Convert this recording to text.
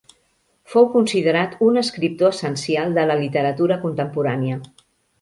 Fou considerat un escriptor essencial de la literatura contemporània.